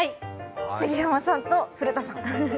杉山さんと古田さん。